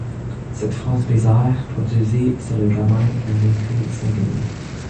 Cette phrase bizarre produisit sur le gamin un un effet singulier.